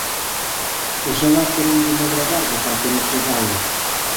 Oxalá que non lle medre a barba para que non se vaia!"